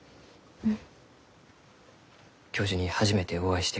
うん。